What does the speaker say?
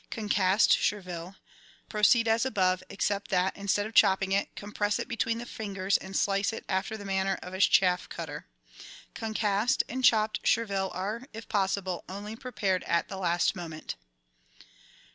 Concussed Chervil. — Proceed as above, except that, instead of chopping it, compress it between the fingers and slice it after the manner of a chaff cutter. Concussed and chopped chervil are, if possible, only prepared at the last moment.